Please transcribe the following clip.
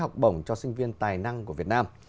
cho sinh viên tài năng của việt nam